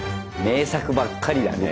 名作ばっかりだね。